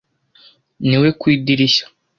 ni we ku idirishya.